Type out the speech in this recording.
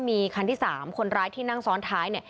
มีคันที่๓คนร้ายที่นั่งซ้อนท้าย